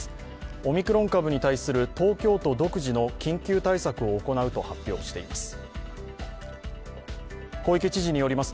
オミクロン株に対する東京都独自の緊急対策を行うと発表しています。